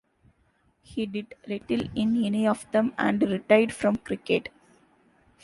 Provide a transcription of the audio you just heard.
He did little in any of them, and retired from cricket.